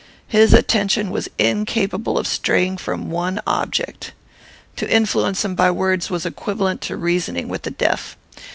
His attention was incapable of straying from one object. To influence him by words was equivalent to reasoning with the deaf.